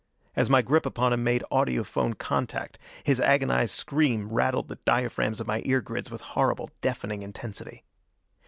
As my grip upon him made audiphone contact, his agonized scream rattled the diaphragms of my ear grids with horrible, deafening intensity.